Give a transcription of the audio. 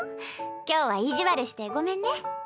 今日は意地悪してごめんね。